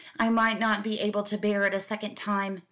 "I might not be able to bear it a second time.